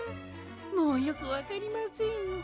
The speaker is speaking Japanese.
もうよくわかりません。